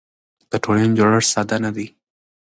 د ټولنې جوړښت ساده نه دی.